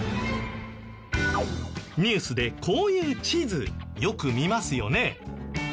ニュースでこういう地図よく見ますよね。